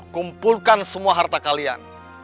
kumpulkan semua harta kalian